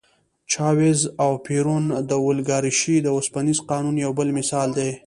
چاوېز او پېرون د اولیګارشۍ د اوسپنيز قانون یو بل مثال دی.